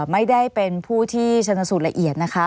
ไม่ได้เป็นผู้ที่ชนสูตรละเอียดนะคะ